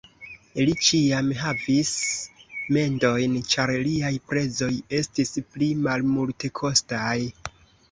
Li ĉiam havis mendojn, ĉar liaj prezoj estis pli malmultekostaj.